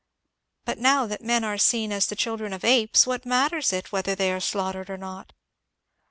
But now that men are seen as the children of apes, what matters it whether they are slaughtered or not